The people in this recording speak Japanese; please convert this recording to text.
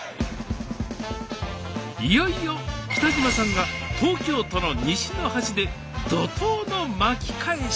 いよいよ北島さんが東京都の西の端で怒涛の巻き返し！